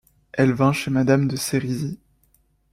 Elle vint chez madame de Sérizy.